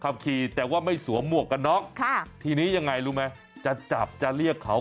ขับขี่แต่ว่าไม่สวมหมวกกันน็อกค่ะทีนี้ยังไงรู้ไหมจะจับจะเรียกเขา